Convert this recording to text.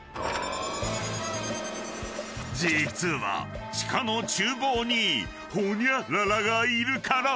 ［実は地下の厨房にホニャララがいるから］